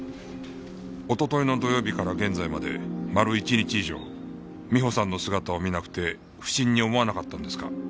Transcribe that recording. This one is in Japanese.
おとといの土曜日から現在まで丸一日以上美帆さんの姿を見なくて不審に思わなかったんですか？